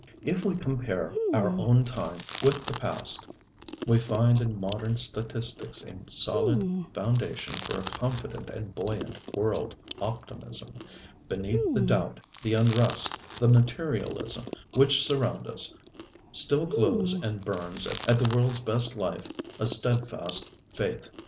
If we compare our own time with the past, we find in modern statistics a solid foundation for a confident and buoyant world optimism. Beneath the doubt, the unrest, the materialism, which surround us still glows and burns at the worldŌĆÖs best life a steadfast faith.